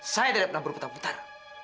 saya tidak pernah berputar putar